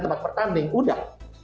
tempat pertanding udah